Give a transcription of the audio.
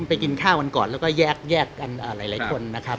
ไปกินข้าวกันก่อนแล้วก็แยกกันหลายคนนะครับ